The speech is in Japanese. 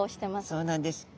そうなんです。